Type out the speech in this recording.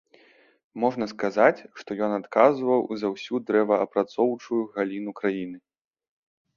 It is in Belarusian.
Можна сказаць, што ён адказваў за ўсю дрэваапрацоўчую галіну краіны.